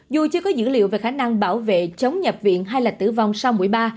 dù chưa có dữ liệu về khả năng bảo vệ chống nhập viện hay là tử vong sau mũi ba